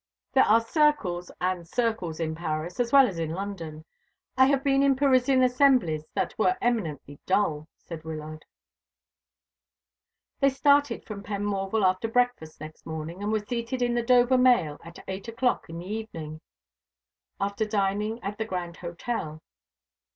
"There are circles and circles in Paris, as well as in London. I have been in Parisian assemblies that were eminently dull," said Wyllard. They started from Penmorval after breakfast next morning, and were seated in the Dover mail at eight o'clock in the evening, after dining at the Grand Hotel.